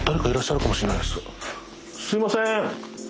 すいません。